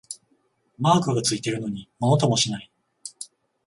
マークがついてるのにものともしない